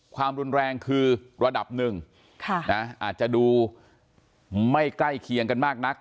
ความรุนแรงคือระดับหนึ่งอาจจะดูไม่ใกล้เคียงกันมากนัก